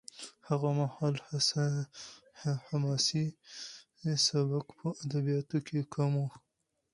هغه مهال حماسي سبک په ادبیاتو کې کم و.